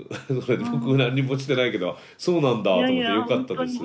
僕何にもしてないけどそうなんだあと思ってよかったです。